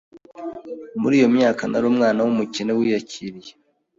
muri iyo myaka nari umwana w’umukene wiyakiriye